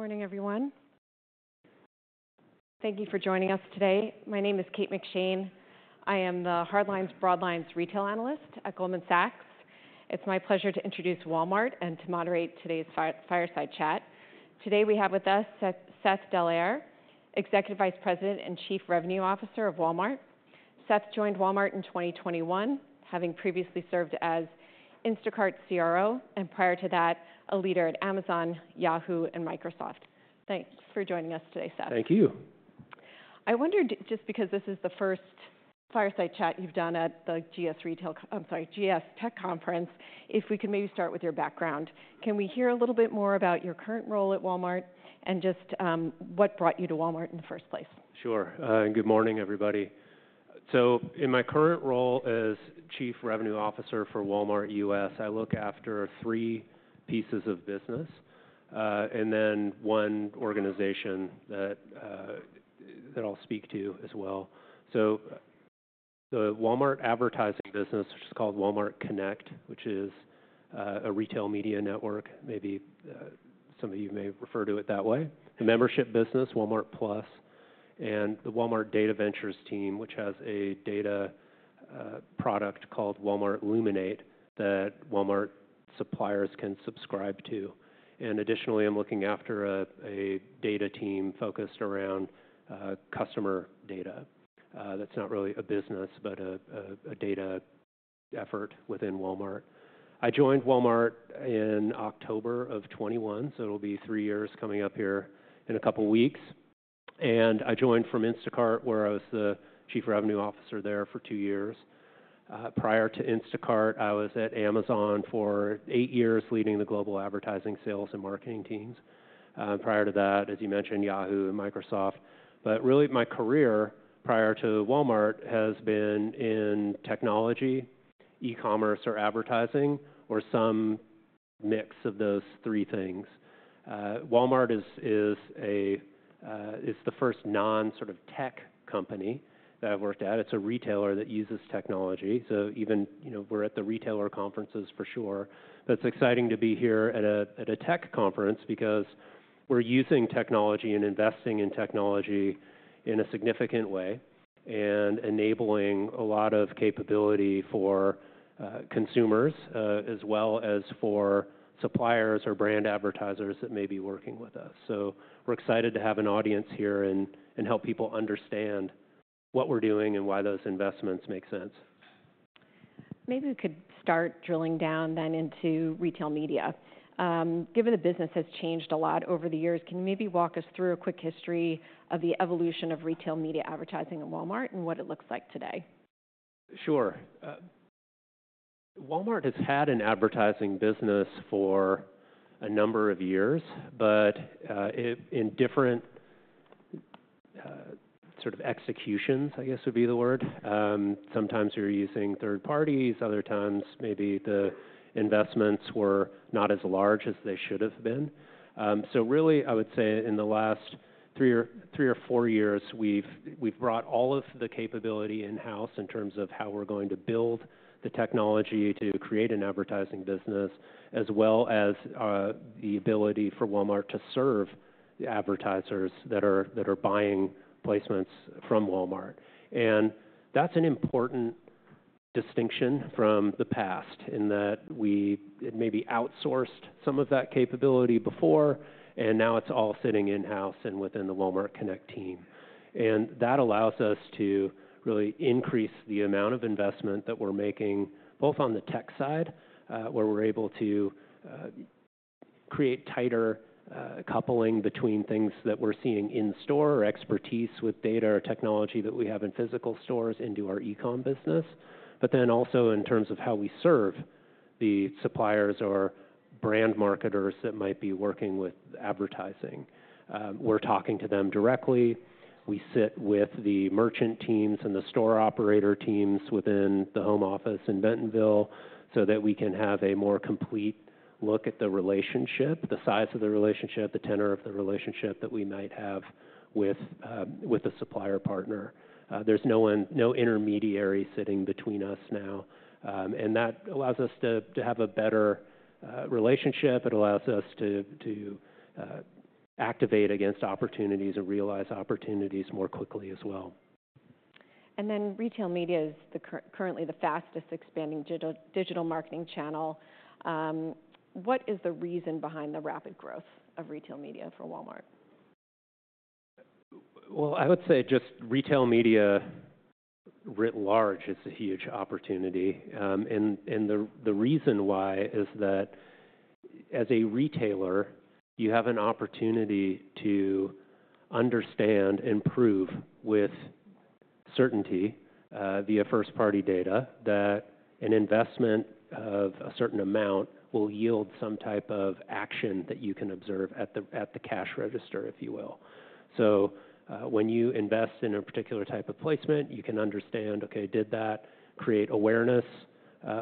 Good morning, everyone. Thank you for joining us today. My name is Kate McShane. I am the Hardlines/Broadlines retail analyst at Goldman Sachs. It's my pleasure to introduce Walmart and to moderate today's fireside chat. Today we have with us Seth Dallaire, Executive Vice President and Chief Revenue Officer of Walmart. Seth joined Walmart in 2021, having previously served as Instacart's CRO, and prior to that, a leader at Amazon, Yahoo, and Microsoft. Thanks for joining us today, Seth. Thank you. I wondered, just because this is the first fireside chat you've done at the GS Retail, I'm sorry, GS Tech Conference, if we could maybe start with your background. Can we hear a little bit more about your current role at Walmart and just, what brought you to Walmart in the first place? Sure. Good morning, everybody. In my current role as Chief Revenue Officer for Walmart U.S., I look after three pieces of business, and then one organization that I'll speak to as well. The Walmart advertising business, which is called Walmart Connect, which is retail media network, maybe some of you may refer to it that way. The membership business, Walmart+, and the Walmart Data Ventures team, which has a data product called Walmart Luminate, that Walmart suppliers can subscribe to. And additionally, I'm looking after a data team focused around customer data. That's not really a business, but a data effort within Walmart. I joined Walmart in October of 2021, so it'll be three years coming up here in a couple weeks. I joined from Instacart, where I was the Chief Revenue Officer there for two years. Prior to Instacart, I was at Amazon for eight years, leading the global advertising, sales, and marketing teams. Prior to that, as you mentioned, Yahoo and Microsoft. But really, my career prior to Walmart has been in technology, e-commerce, or advertising, or some mix of those three things. Walmart is the first non sort of tech company that I've worked at. It's a retailer that uses technology, so even, you know, we're at the retailer conferences for sure. But it's exciting to be here at a tech conference because we're using technology and investing in technology in a significant way, and enabling a lot of capability for consumers, as well as for suppliers or brand advertisers that may be working with us. So we're excited to have an audience here and help people understand what we're doing and why those investments make sense. Maybe we could start drilling down then retail media. given the business has changed a lot over the years, can you maybe walk us through a quick history of the evolution retail media advertising in Walmart and what it looks like today? Sure. Walmart has had an advertising business for a number of years, but in different sort of executions, I guess would be the word. Sometimes we were using third parties, other times maybe the investments were not as large as they should have been. So really, I would say in the last three or four years, we've brought all of the capability in-house in terms of how we're going to build the technology to create an advertising business, as well as the ability for Walmart to serve the advertisers that are buying placements from Walmart, and that's an important distinction from the past, in that we maybe outsourced some of that capability before, and now it's all sitting in-house and within the Walmart Connect team. And that allows us to really increase the amount of investment that we're making, both on the tech side, where we're able to create tighter coupling between things that we're seeing in store or expertise with data or technology that we have in physical stores into our e-com business. But then also in terms of how we serve the suppliers or brand marketers that might be working with advertising. We're talking to them directly. We sit with the merchant teams and the store operator teams within the home office in Bentonville, so that we can have a more complete look at the relationship, the size of the relationship, the tenor of the relationship that we might have with a supplier partner. There's no intermediary sitting between us now, and that allows us to have a better relationship. It allows us to activate against opportunities and realize opportunities more quickly as well. And retail media is currently the fastest expanding digital marketing channel. What is the reason behind the rapid growth retail media for Walmart? I would say retail media writ large is a huge opportunity, and the reason why is that as a retailer, you have an opportunity to understand and prove with certainty via first-party data that an investment of a certain amount will yield some type of action that you can observe at the cash register, if you will. When you invest in a particular type of placement, you can understand, okay, did that create awareness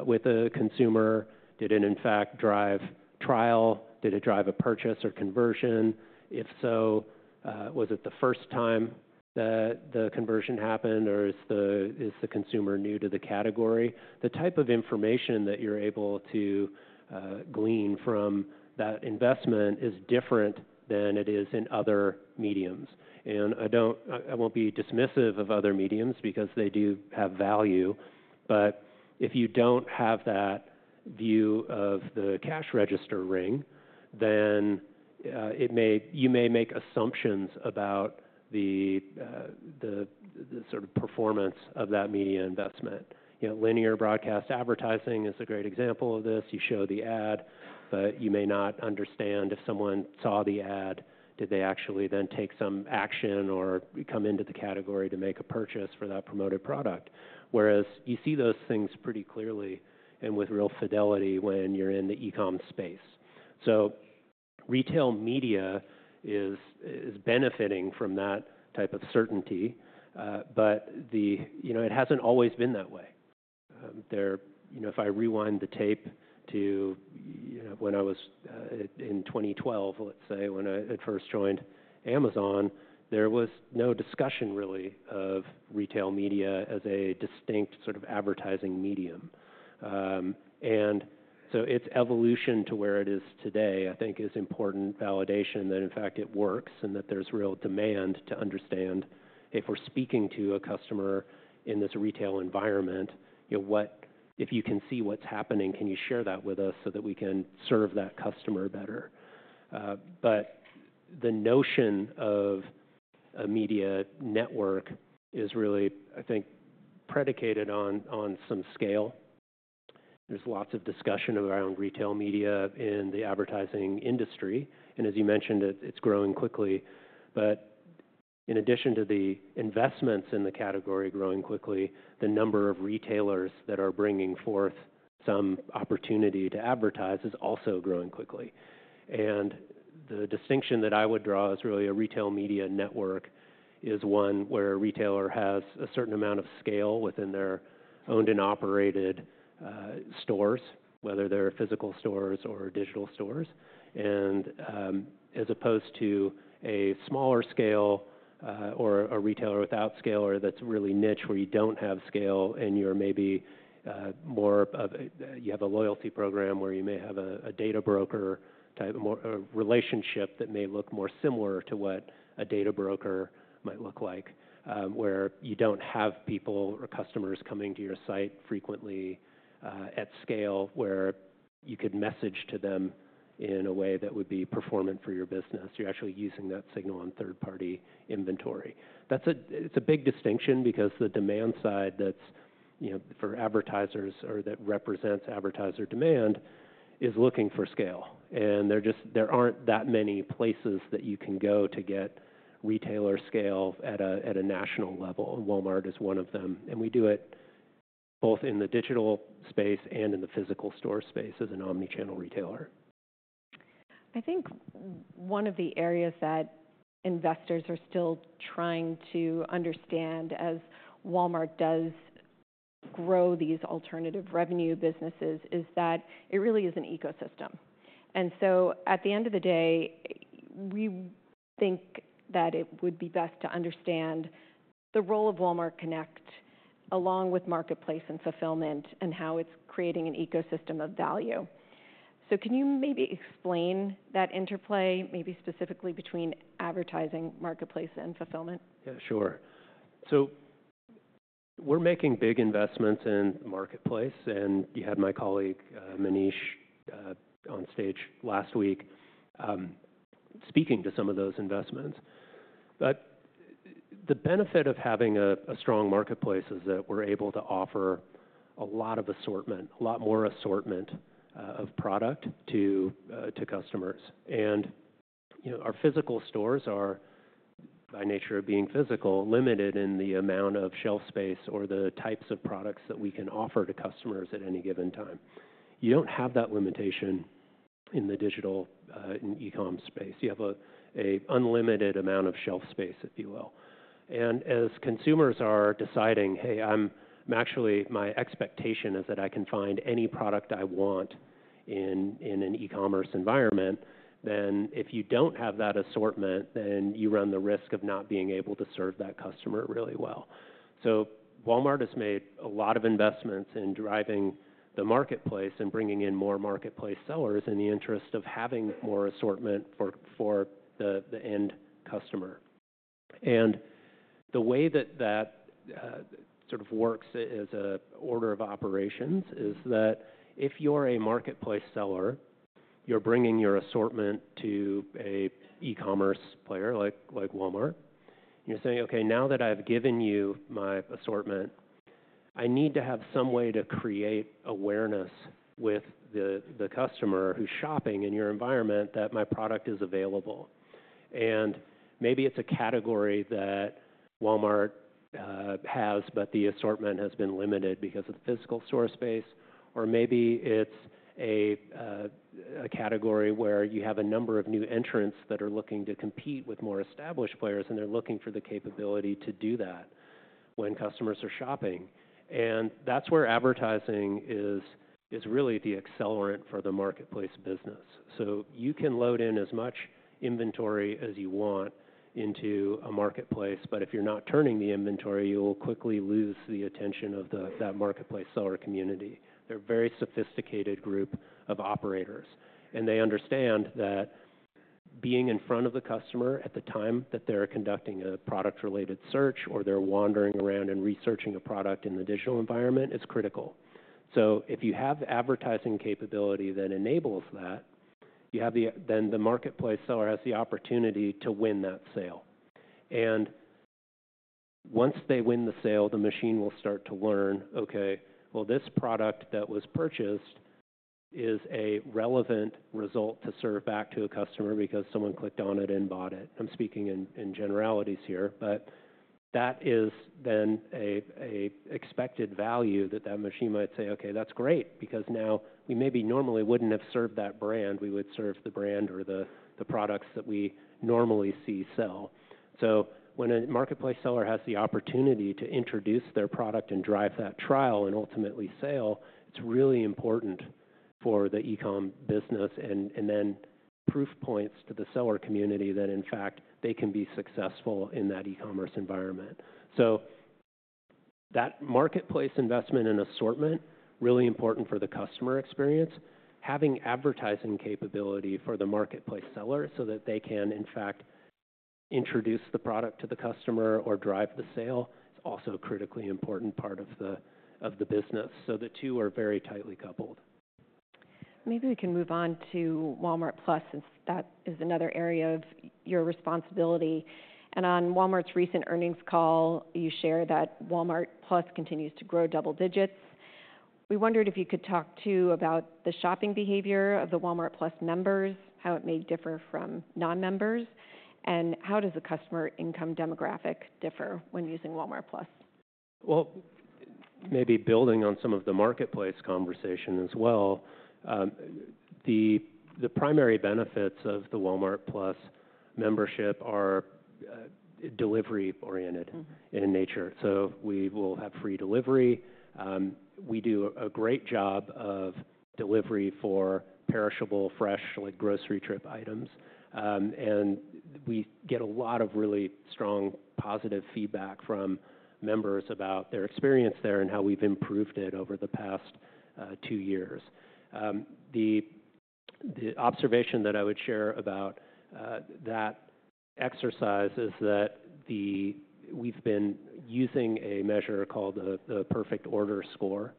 with a consumer? Did it, in fact, drive trial? Did it drive a purchase or conversion? If so, was it the first time?... the conversion happened, or is the consumer new to the category? The type of information that you're able to glean from that investment is different than it is in other mediums. And I don't. I won't be dismissive of other mediums because they do have value, but if you don't have that view of the cash register ring, then it may. You may make assumptions about the sort of performance of that media investment. You know, linear broadcast advertising is a great example of this. You show the ad, but you may not understand if someone saw the ad, did they actually then take some action or come into the category to make a purchase for that promoted product? Whereas you see those things pretty clearly and with real fidelity when you're in the e-com space. retail media is benefiting from that type of certainty, but the. You know, it hasn't always been that way. You know, if I rewind the tape to when I was in 2012, let's say, when I had first joined Amazon, there was no discussion really retail media as a distinct sort of advertising medium, and so its evolution to where it is today, I think is important validation that, in fact, it works, and that there's real demand to understand if we're speaking to a customer in this retail environment, you know, what if you can see what's happening, can you share that with us so that we can serve that customer better, but the notion of a media network is really, I think, predicated on some scale. There's lots of discussion retail media in the advertising industry, and as you mentioned, it's growing quickly. But in addition to the investments in the category growing quickly, the number of retailers that are bringing forth some opportunity to advertise is also growing quickly. And the distinction that I would draw is really retail media network is one where a retailer has a certain amount of scale within their owned and operated stores, whether they're physical stores or digital stores. And, as opposed to a smaller scale, or a retailer without scale or that's really niche, where you don't have scale and you're maybe more of a, You have a loyalty program, or you may have a, a data broker type of more, relationship that may look more similar to what a data broker might look like, where you don't have people or customers coming to your site frequently, at scale, where you could message to them in a way that would be performant for your business. You're actually using that signal on third-party inventory. That's a big distinction because the demand side that's, you know, for advertisers or that represents advertiser demand, is looking for scale, and there aren't that many places that you can go to get retailer scale at a national level, and Walmart is one of them, and we do it both in the digital space and in the physical store space as an omni-channel retailer. I think one of the areas that investors are still trying to understand as Walmart does grow these alternative revenue businesses, is that it really is an ecosystem. And so at the end of the day, we think that it would be best to understand the role of Walmart Connect, along with Marketplace and Fulfillment, and how it's creating an ecosystem of value. So can you maybe explain that interplay, maybe specifically between advertising, marketplace, and fulfillment? Yeah, sure. So we're making big investments in Marketplace, and you had my colleague, Manish, on stage last week, speaking to some of those investments. But the benefit of having a strong marketplace is that we're able to offer a lot of assortment, a lot more assortment, of product to, to customers. And, you know, our physical stores are, by nature of being physical, limited in the amount of shelf space or the types of products that we can offer to customers at any given time. You don't have that limitation in the digital, in e-com space. You have a unlimited amount of shelf space, if you will. And as consumers are deciding, "Hey, I'm actually, my expectation is that I can find any product I want in an e-commerce environment," then if you don't have that assortment, then you run the risk of not being able to serve that customer really well. So Walmart has made a lot of investments in driving the marketplace and bringing in more marketplace sellers in the interest of having more assortment for the end customer. And the way that sort of works as an order of operations is that if you're a marketplace seller, you're bringing your assortment to an e-commerce player like Walmart. You're saying, "Okay, now that I've given you my assortment, I need to have some way to create awareness with the customer who's shopping in your environment, that my product is available." And maybe it's a category that Walmart has, but the assortment has been limited because of physical store space, or maybe it's a category where you have a number of new entrants that are looking to compete with more established players, and they're looking for the capability to do that when customers are shopping. And that's where advertising is really the accelerant for the marketplace business. So you can load in as much inventory as you want into a marketplace, but if you're not turning the inventory, you will quickly lose the attention of that marketplace seller community. They're a very sophisticated group of operators, and they understand that being in front of the customer at the time that they're conducting a product-related search or they're wandering around and researching a product in the digital environment, is critical. So if you have the advertising capability that enables that, you have the, then the marketplace seller has the opportunity to win that sale. And once they win the sale, the machine will start to learn, "Okay, well, this product that was purchased is a relevant result to serve back to a customer because someone clicked on it and bought it." I'm speaking in generalities here, but that is then a expected value that that machine might say, "Okay, that's great," because now we maybe normally wouldn't have served that brand. We would serve the brand or the products that we normally see sell. So when a marketplace seller has the opportunity to introduce their product and drive that trial and ultimately sale, it's really important for the e-com business, and then proof points to the seller community that, in fact, they can be successful in that e-commerce environment. So that marketplace investment and assortment, really important for the customer experience. Having advertising capability for the marketplace seller so that they can, in fact, introduce the product to the customer or drive the sale, is also a critically important part of the business. So the two are very tightly coupled. Maybe we can move on to Walmart+, since that is another area of your responsibility. And on Walmart's recent earnings call, you shared that Walmart+ continues to grow double digits. We wondered if you could talk too, about the shopping behavior of the Walmart+ members, how it may differ from non-members, and how does the customer income demographic differ when using Walmart+? Maybe building on some of the marketplace conversation as well, the primary benefits of the Walmart+ membership are delivery-oriented- Mm-hmm. in nature. So we will have free delivery. We do a great job of delivery for perishable, fresh, like, grocery trip items. And we get a lot of really strong positive feedback from members about their experience there and how we've improved it over the past two years. The observation that I would share about that exercise is that we've been using a measure called the Perfect Order Score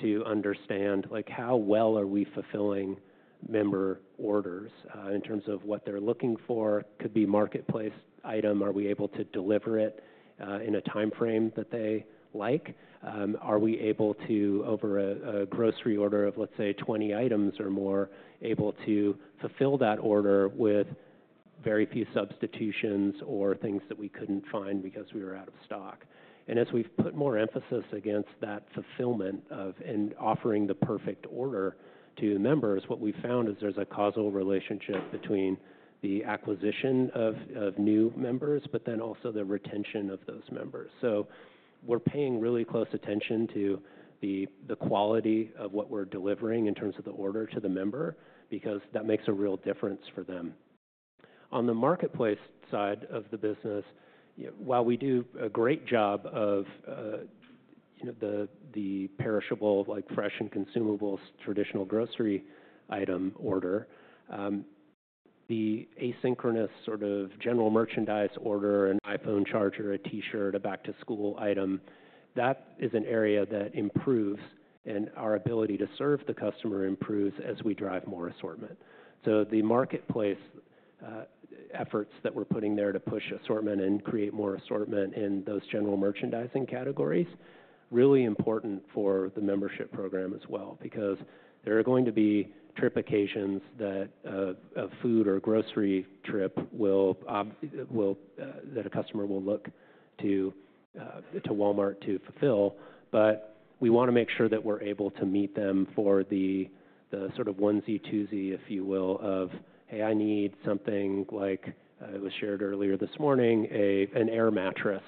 to understand, like, how well are we fulfilling member orders in terms of what they're looking for. Could be Marketplace item. Are we able to deliver it in a timeframe that they like? Are we able to, over a grocery order of, let's say, 20 items or more, able to fulfill that order with very few substitutions or things that we couldn't find because we were out of stock? And as we've put more emphasis against that fulfillment of, and offering the perfect order to members, what we've found is there's a causal relationship between the acquisition of new members, but then also the retention of those members. So we're paying really close attention to the quality of what we're delivering in terms of the order to the member, because that makes a real difference for them. On the Marketplace side of the business, while we do a great job of, you know, the perishable, like fresh and consumables, traditional grocery item order, the asynchronous sort of general merchandise order, an iPhone charger, a T-shirt, a back-to-school item, that is an area that improves, and our ability to serve the customer improves as we drive more assortment. So the marketplace efforts that we're putting there to push assortment and create more assortment in those general merchandising categories, really important for the membership program as well, because there are going to be trip occasions that a food or grocery trip will that a customer will look to to Walmart to fulfill. But we want to make sure that we're able to meet them for the sort of onesie-twosie, if you will, of "Hey, I need something," like it was shared earlier this morning, "an air mattress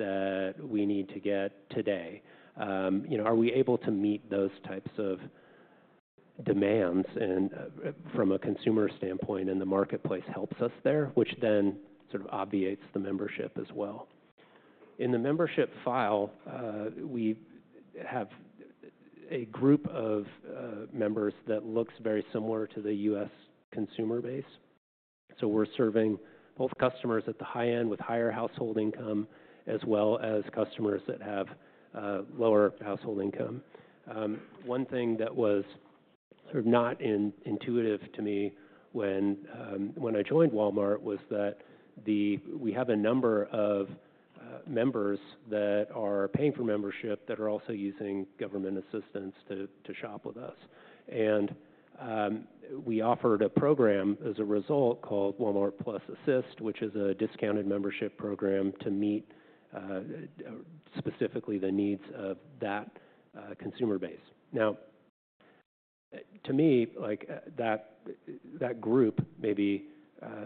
that we need to get today." You know, are we able to meet those types of demands and from a consumer standpoint, and the marketplace helps us there, which then sort of obviates the membership as well. In the membership file, we have a group of members that looks very similar to the U.S. consumer base. So we're serving both customers at the high end with higher household income, as well as customers that have lower household income. One thing that was sort of not intuitive to me when I joined Walmart was that we have a number of members that are paying for membership that are also using government assistance to shop with us. And we offered a program as a result, called Walmart+ Assist, which is a discounted membership program to meet specifically the needs of that consumer base. To me, like, that group maybe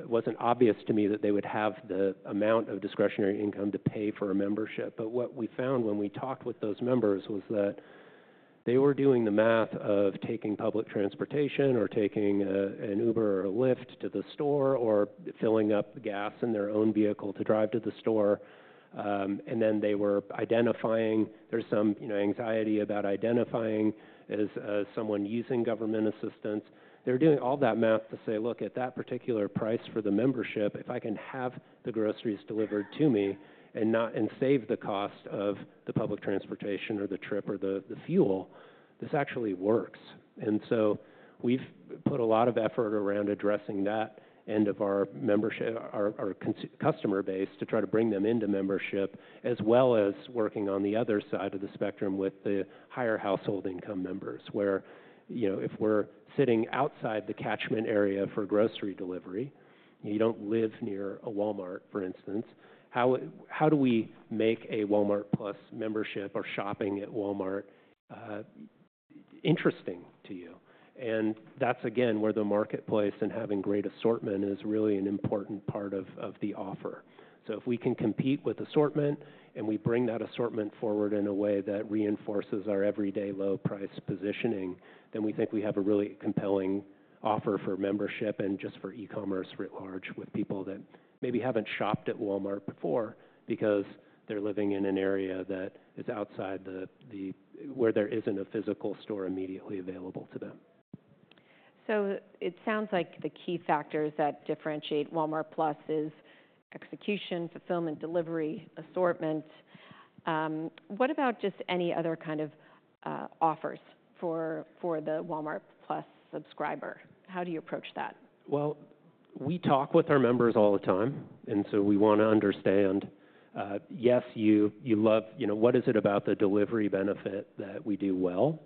wasn't obvious to me that they would have the amount of discretionary income to pay for a membership. But what we found when we talked with those members was that they were doing the math of taking public transportation or taking an Uber or a Lyft to the store, or filling up gas in their own vehicle to drive to the store. Then they were identifying. There's some, you know, anxiety about identifying as someone using government assistance. They're doing all that math to say, "Look, at that particular price for the membership, if I can have the groceries delivered to me and not and save the cost of the public transportation, or the trip, or the fuel, this actually works." And so we've put a lot of effort around addressing that end of our membership, our customer base, to try to bring them into membership, as well as working on the other side of the spectrum with the higher household income members, where, you know, if we're sitting outside the catchment area for grocery delivery, you don't live near a Walmart, for instance, how do we make a Walmart+ membership or shopping at Walmart interesting to you? That's again where the marketplace and having great assortment is really an important part of the offer. If we can compete with assortment, and we bring that assortment forward in a way that reinforces our Everyday Low Price positioning, then we think we have a really compelling offer for membership and just for e-commerce writ large, with people that maybe haven't shopped at Walmart before because they're living in an area that is outside the where there isn't a physical store immediately available to them. So it sounds like the key factors that differentiate Walmart+ is execution, fulfillment, delivery, assortment. What about just any other kind of offers for the Walmart+ subscriber? How do you approach that? We talk with our members all the time, and so we want to understand. You know, what is it about the delivery benefit that we do well,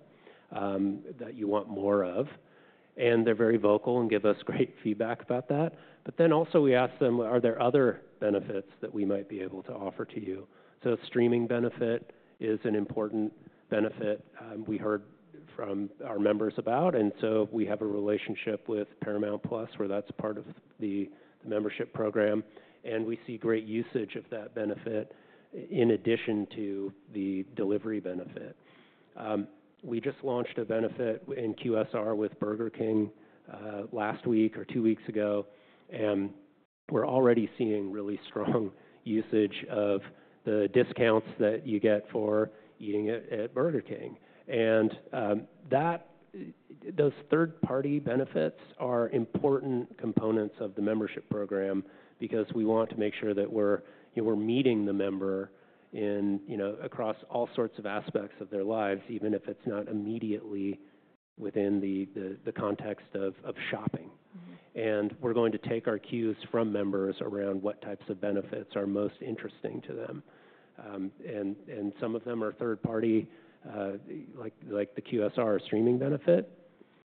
that you want more of? And they're very vocal and give us great feedback about that. But then also we ask them: Are there other benefits that we might be able to offer to you? So a streaming benefit is an important benefit, we heard from our members about, and so we have a relationship with Paramount+, where that's part of the membership program, and we see great usage of that benefit in addition to the delivery benefit. We just launched a benefit in QSR with Burger King last week or two weeks ago, and we're already seeing really strong usage of the discounts that you get for eating at Burger King. And, those third-party benefits are important components of the membership program because we want to make sure that we're, you know, we're meeting the member in, you know, across all sorts of aspects of their lives, even if it's not immediately within the context of shopping. Mm-hmm. And we're going to take our cues from members around what types of benefits are most interesting to them. And some of them are third party, like the QSR or streaming benefit.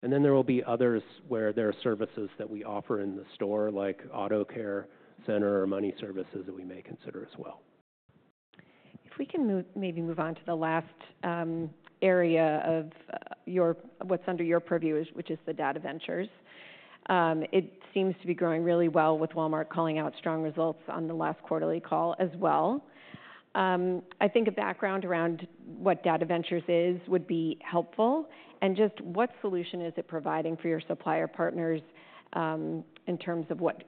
And then there will be others where there are services that we offer in the store, like Auto Care Center or Money Services, that we may consider as well. If we can move on to the last area of what's under your purview, which is the Data Ventures. It seems to be growing really well with Walmart calling out strong results on the last quarterly call as well. I think a background around what Data Ventures is would be helpful, and just what solution is it providing for your supplier partners in terms of what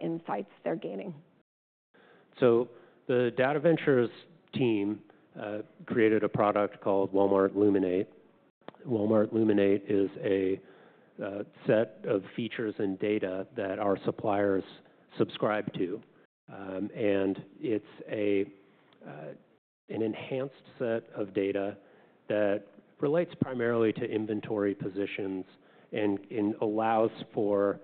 insights they're gaining? So the Data Ventures team created a product called Walmart Luminate. Walmart Luminate is a set of features and data that our suppliers subscribe to. It's an enhanced set of data that relates primarily to inventory positions and allows for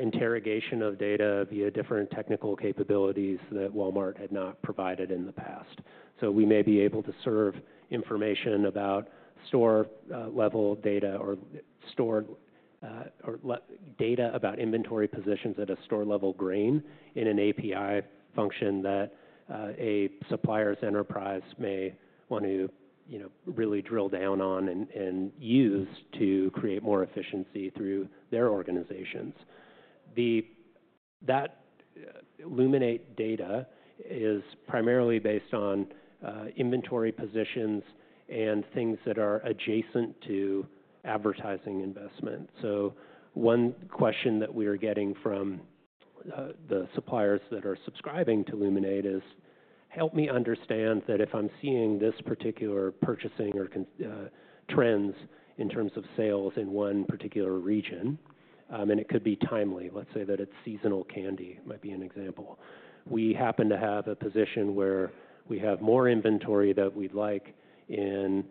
interrogation of data via different technical capabilities that Walmart had not provided in the past. So we may be able to serve information about store level data or data about inventory positions at a store level grain in an API function that a supplier's enterprise may want to, you know, really drill down on and use to create more efficiency through their organizations. That Luminate data is primarily based on inventory positions and things that are adjacent to advertising investment. So one question that we are getting from the suppliers that are subscribing to Luminate is: Help me understand that if I'm seeing this particular purchasing or consumer trends in terms of sales in one particular region, and it could be timely, let's say that it's seasonal candy, might be an example. We happen to have a position where we have more inventory that we'd like in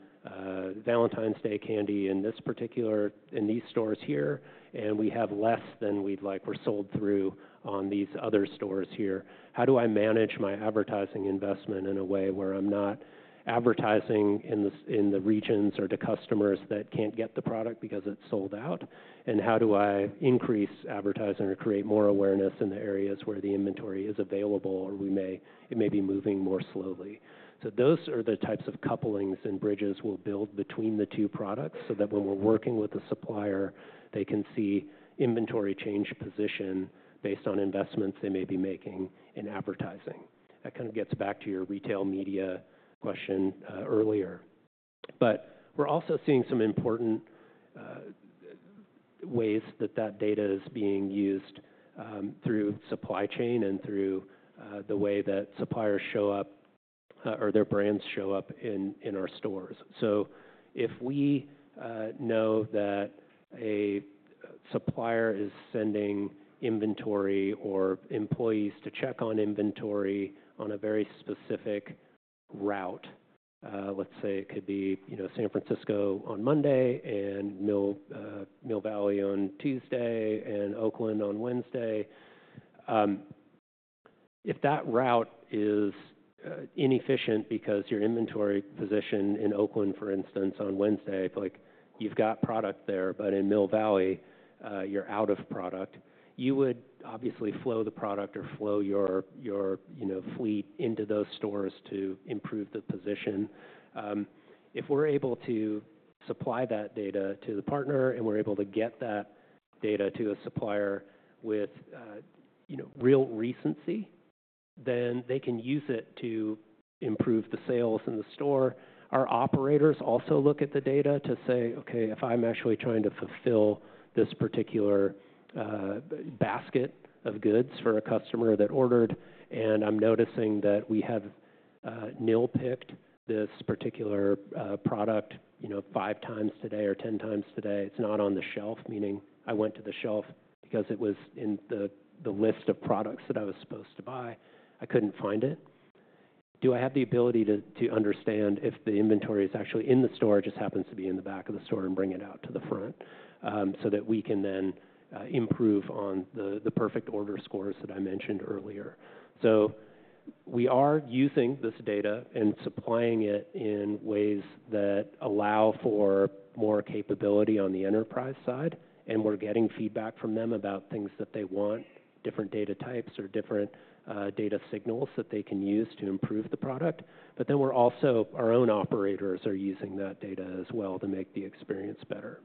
Valentine's Day candy in this particular region in these stores here, and we have less than we'd like, or sold through on these other stores here. How do I manage my advertising investment in a way where I'm not advertising in the stores in the regions or to customers that can't get the product because it's sold out? And how do I increase advertising or create more awareness in the areas where the inventory is available, or it may be moving more slowly? So those are the types of couplings and bridges we'll build between the two products, so that when we're working with the supplier, they can see inventory change position based on investments they may be making in advertising. That kind of gets back to retail media question earlier. But we're also seeing some important ways that that data is being used through supply chain and through the way that suppliers show up or their brands show up in our stores. So if we know that a supplier is sending inventory or employees to check on inventory on a very specific route, let's say it could be, you know, San Francisco on Monday and Mill Valley on Tuesday, and Oakland on Wednesday. If that route is inefficient because your inventory position in Oakland, for instance, on Wednesday, like, you've got product there, but in Mill Valley, you're out of product, you would obviously flow the product or flow your, you know, fleet into those stores to improve the position. If we're able to supply that data to the partner, and we're able to get that data to a supplier with, you know, real recency, then they can use it to improve the sales in the store. Our operators also look at the data to say, "Okay, if I'm actually trying to fulfill this particular basket of goods for a customer that ordered, and I'm noticing that we have Nil Picked this particular product, you know, five times today or 10 times today, it's not on the shelf," meaning I went to the shelf because it was in the list of products that I was supposed to buy. I couldn't find it. Do I have the ability to understand if the inventory is actually in the store, it just happens to be in the back of the store, and bring it out to the front, so that we can then improve on the Perfect Order Score that I mentioned earlier? So we are using this data and supplying it in ways that allow for more capability on the enterprise side, and we're getting feedback from them about things that they want, different data types or different data signals that they can use to improve the product. But then we're also our own operators are using that data as well to make the experience better.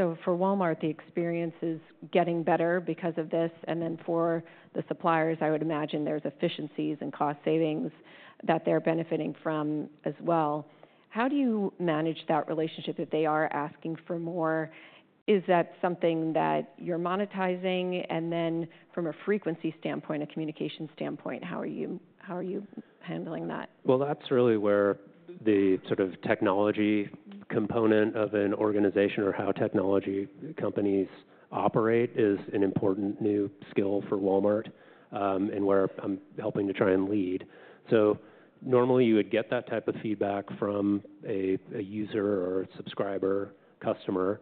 So for Walmart, the experience is getting better because of this, and then for the suppliers, I would imagine there's efficiencies and cost savings that they're benefiting from as well. How do you manage that relationship if they are asking for more? Is that something that you're monetizing? And then from a frequency standpoint, a communication standpoint, how are you handling that? That's really where the sort of technology component of an organization, or how technology companies operate, is an important new skill for Walmart, and where I'm helping to try and lead. So normally, you would get that type of feedback from a user or a subscriber, customer,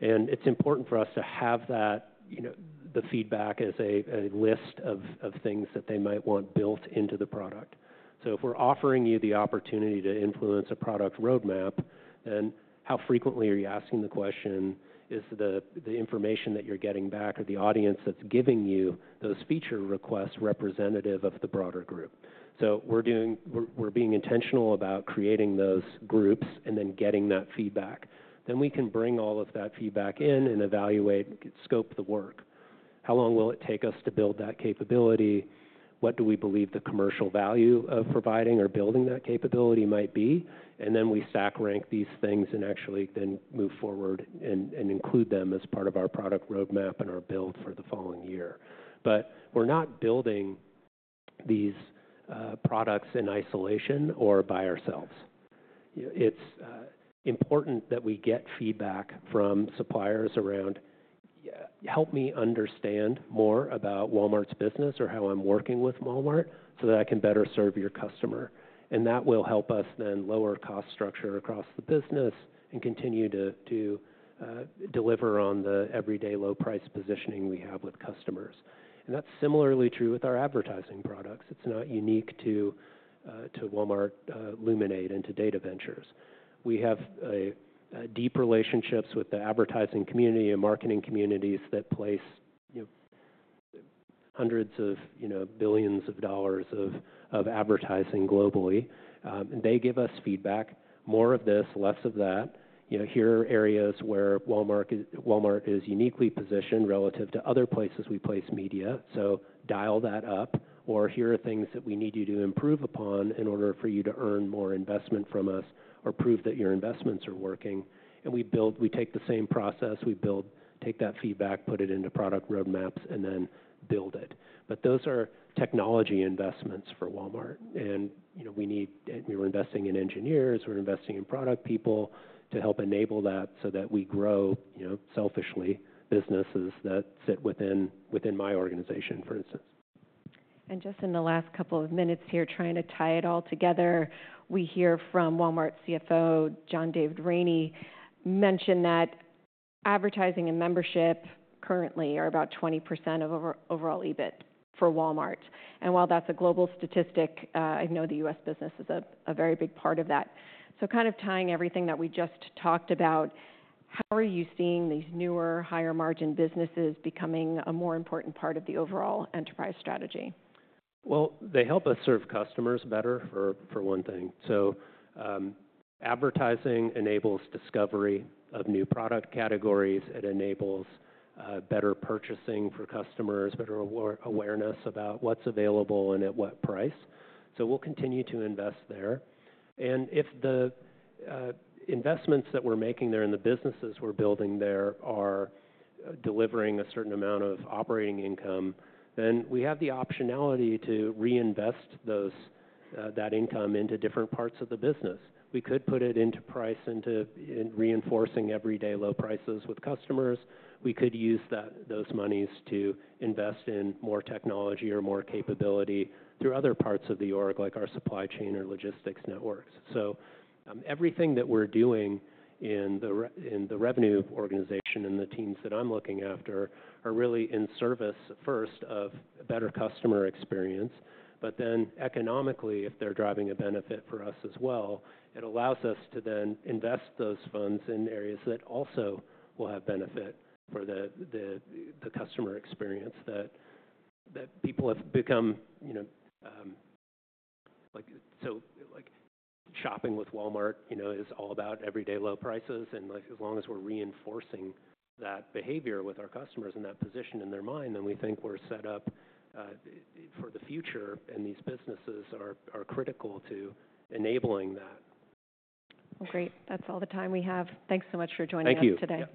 and it's important for us to have that, you know, the feedback as a list of things that they might want built into the product. So if we're offering you the opportunity to influence a product roadmap, then how frequently are you asking the question, "Is the information that you're getting back or the audience that's giving you those feature requests, representative of the broader group?" So we're being intentional about creating those groups and then getting that feedback. Then we can bring all of that feedback in and evaluate, scope the work. How long will it take us to build that capability? What do we believe the commercial value of providing or building that capability might be? And then we stack rank these things and actually then move forward and include them as part of our product roadmap and our build for the following year. But we're not building these products in isolation or by ourselves. It's important that we get feedback from suppliers around, "Help me understand more about Walmart's business or how I'm working with Walmart, so that I can better serve your customer." And that will help us then lower cost structure across the business and continue to deliver on the Everyday Low Price positioning we have with customers. And that's similarly true with our advertising products. It's not unique to Walmart Luminate and to Data Ventures. We have a deep relationships with the advertising community and marketing communities that place, you know, hundreds of, you know, billions of dollars of advertising globally. And they give us feedback, more of this, less of that. You know, here are areas where Walmart is uniquely positioned relative to other places we place media, so dial that up. Or, "Here are things that we need you to improve upon in order for you to earn more investment from us, or prove that your investments are working." And we take the same process, take that feedback, put it into product roadmaps, and then build it. But those are technology investments for Walmart, and, you know, we need. We're investing in engineers, we're investing in product people to help enable that, so that we grow, you know, selfishly, businesses that fit within my organization, for instance. Just in the last couple of minutes here, trying to tie it all together, we hear from Walmart CFO, John David Rainey, mention that advertising and membership currently are about 20% of overall EBIT for Walmart. While that's a global statistic, I know the U.S. business is a very big part of that. Kind of tying everything that we just talked about, how are you seeing these newer, higher margin businesses becoming a more important part of the overall enterprise strategy? They help us serve customers better, for one thing. Advertising enables discovery of new product categories. It enables better purchasing for customers, better awareness about what's available and at what price. We'll continue to invest there. If the investments that we're making there, and the businesses we're building there are delivering a certain amount of operating income, then we have the optionality to reinvest that income into different parts of the business. We could put it into price and in reinforcing Everyday Low Prices with customers. We could use those monies to invest in more technology or more capability through other parts of the org, like our supply chain or logistics networks. So, everything that we're doing in the revenue organization and the teams that I'm looking after are really in service, first, of better customer experience. But then economically, if they're driving a benefit for us as well, it allows us to then invest those funds in areas that also will have benefit for the customer experience that people have become, you know. Like, so, like, shopping with Walmart, you know, is all about Everyday Low Prices, and, like, as long as we're reinforcing that behavior with our customers and that position in their mind, then we think we're set up for the future, and these businesses are critical to enabling that. Great. That's all the time we have. Thanks so much for joining us today.